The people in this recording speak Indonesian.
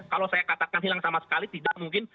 kalau saya katakan hilang sama sekali tidak mungkin